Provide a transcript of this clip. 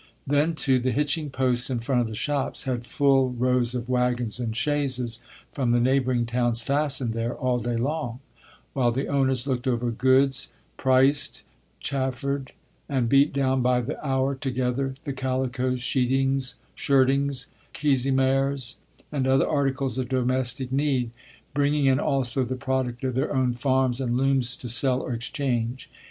Then, too, the hitching posts in front of the shops had full rows of wagons and chaises from the neighboring towns fastened there all day long; while the owners looked over goods, priced, chaffered, and beat down by the hour together the calicoes, sheetings, shirtings, kerseymeres, and other articles of domestic need, bringing in, also, the product of their own farms and looms to sell or exchange.